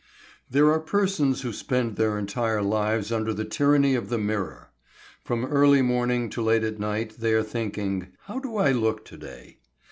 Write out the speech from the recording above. There are persons who spend their entire lives under the tyranny of the mirror. From early morning to late at night they are thinking, "How do I look to day?"